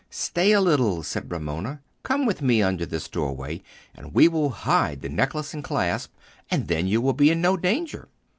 "Stay a little," said Romola. "Come with me under this doorway, and we will hide the necklace and clasp, and then you will be in no danger."